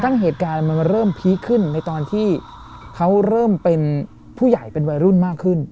เหตุการณ์มันเริ่มพีคขึ้นในตอนที่เขาเริ่มเป็นผู้ใหญ่เป็นวัยรุ่นมากขึ้น